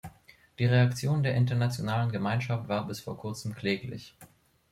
Die Reaktion der internationalen Gemeinschaft war bis vor kurzem kläglich.